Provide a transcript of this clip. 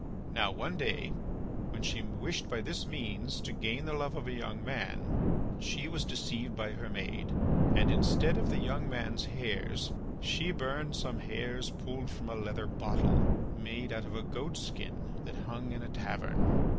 Now one day when she wished by this means to gain the love of a young man, she was deceived by her maid, and instead of the young man's hairs, she burned some hairs pulled from a leather bottle, made out of a goatskin that hung in a tavern.